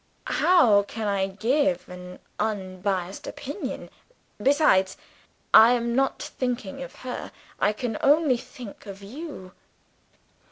How can I give an unbiased opinion? Besides, I am not thinking of her; I can only think of you."